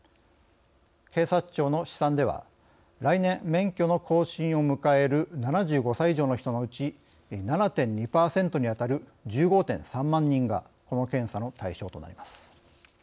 警察庁の試算では来年、免許の更新を迎える７５歳以上の人のうち７．２％に当たる１５．３万人がこの検査の対象となります。